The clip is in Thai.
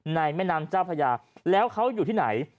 แม่น้ำเจ้าพญาแล้วเขาอยู่ที่ไหน